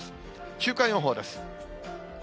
週間予報です。